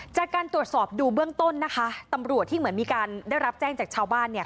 จากการตรวจสอบดูเบื้องต้นนะคะตำรวจที่เหมือนมีการได้รับแจ้งจากชาวบ้านเนี่ย